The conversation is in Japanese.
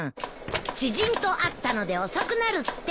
知人と会ったので遅くなるって。